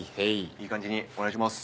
いい感じにお願いします。